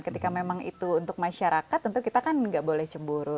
ketika memang itu untuk masyarakat tentu kita kan nggak boleh cemburu